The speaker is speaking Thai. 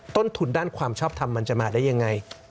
ต้นทุนด้านความชอบทำมันจะมาได้ยังไง